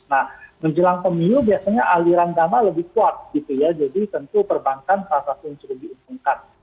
nah menjelang pemilu biasanya aliran dama lebih kuat gitu ya jadi tentu perbankan pasang pun sudah dihubungkan